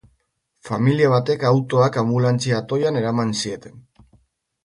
Familia baten autoak anbulantzia atoian eraman zieten.